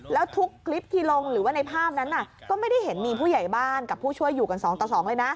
แล้วทุกคลิปที่ลงหรือว่าในภาพนั้นก็ไม่ได้เห็นมีผู้ใหญ่บ้านกับผู้ช่วยอยู่กัน๒ต่อ๒เลยนะ